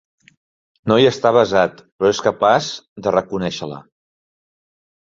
No hi està avesat, però és capaç de reconèixer-la.